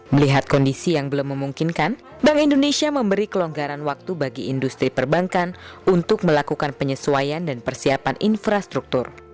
melihat kondisi yang belum memungkinkan bank indonesia memberi kelonggaran waktu bagi industri perbankan untuk melakukan penyesuaian dan persiapan infrastruktur